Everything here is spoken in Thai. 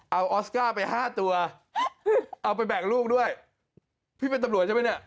เอาออสการ์ไปห้าตัว